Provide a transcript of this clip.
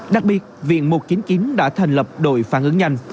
đặc biệt viện một trăm chín mươi chín đã thành lập đội phản ứng nhanh